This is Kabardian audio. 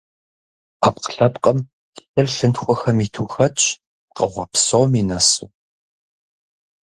Ӏэпкълъэпкъым лъыр лъынтхуэхэм иту хэтщ, пкъыгъуэ псоми нэсу.